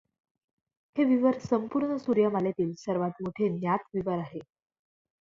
हे विवर संपूर्ण सूर्यमालेतील सर्वांत मोठे ज्ञात विवर आहे.